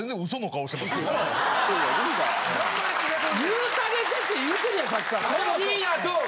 言うたげてって言うてるやんさっきから。